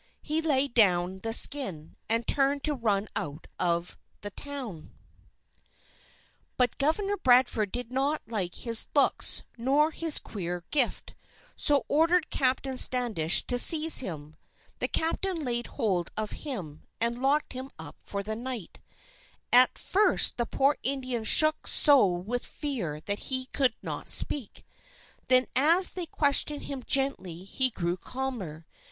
He laid down the skin, and turned to run out of the town. [Illustration: JOHN BILLINGTON BROUGHT ON THE SHOULDERS OF AN INDIAN] But Governor Bradford did not like his looks nor his queer gift, so ordered Captain Standish to seize him. The Captain laid hold of him, and locked him up for the night. At first the poor Indian shook so with fear that he could not speak. Then as they questioned him gently, he grew calmer.